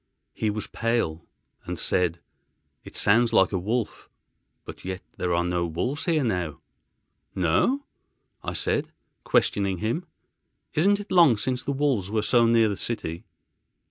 He was pale, and said, "It sounds like a wolf—but yet there are no wolves here now." "No?" I said, questioning him; "isn't it long since the wolves were so near the city?"